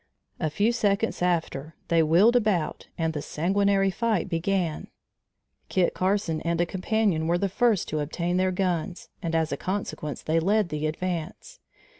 A few seconds after they wheeled about and the sanguinary fight began. Kit Carson and a companion were the first to obtain their guns and as a consequence they led the advance.